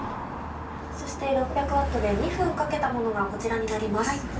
そして６００Ｗで２分かけたものがこちらになります。